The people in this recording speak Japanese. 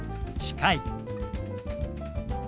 「近い」。